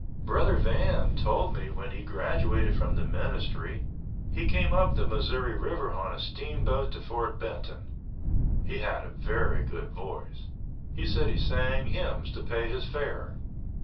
Brother Van told me when he graduated from the ministry he came up the Missouri River on a steam boat to Fort Benton. He had a very good voice. He said he sang hymns to pay his fare.